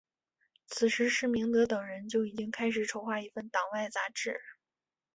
此时施明德等人就已经开始筹划一份党外杂志。